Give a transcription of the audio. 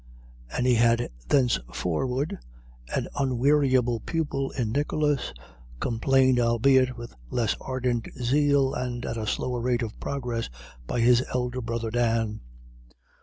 And he had thenceforward an unweariable pupil in Nicholas, companied, albeit with less ardent zeal, and at a slower rate of progress, by his elder brother, Dan.